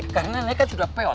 karena ini kan sudah peot